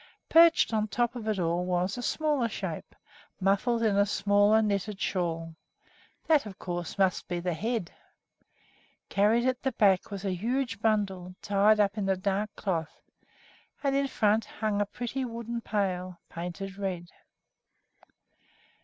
Perched on the top of all was a smaller shape, muffled up in a smaller knitted shawl, that, of course, must be the head. Carried at the back was a huge bundle tied up in a dark cloth, and in front hung a pretty wooden pail, painted red.